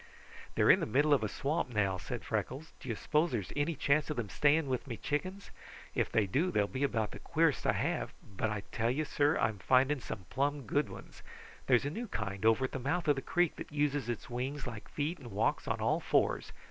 "They're in the middle of a swamp now" said Freckles. "Do you suppose there is any chance of them staying with me chickens? If they do, they'll be about the queerest I have; but I tell you, sir, I am finding some plum good ones. There's a new kind over at the mouth of the creek that uses its wings like feet and walks on all fours.